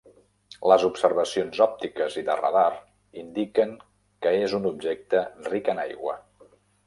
Les observacions òptiques i de radar indiquen que és un objecte ric en aigua.